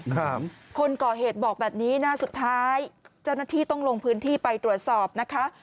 คนก่อเหตุบอกแบบนี้นะสุดท้ายเจ้าหน้าที่ต้องลงพื้นที่ไปตรวจสอบนะคะ